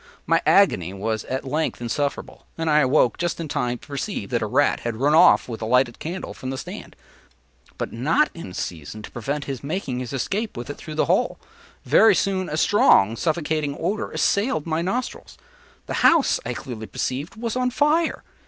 My agony was at length insufferable, and I awoke just in time to perceive that a rat had ran off with the lighted candle from the stand, but not in season to prevent his making his escape with it through the hole. Very soon, a strong suffocating odor assailed my nostrils; the house, I clearly perceived, was on fire.